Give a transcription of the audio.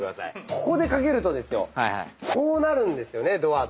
ここで掛けるとですよこうなるんですよねドアって。